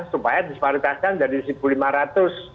supaya disparitasnya menjadi rp satu lima ratus